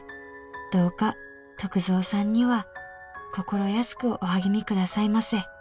「どうか篤蔵さんには心安くお励みくださいませ」